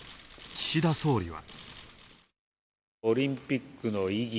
岸田総理は。